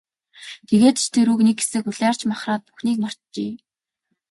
Тэгээд ч тэр үү, нэг хэсэг улайрч махраад бүхнийг мартжээ.